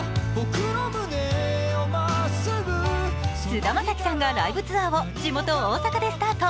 菅田将暉さんがライブツアーを地元大阪でスタート。